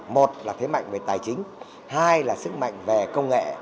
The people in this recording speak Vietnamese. một là thế mạnh về tài chính hai là sức mạnh về công nghệ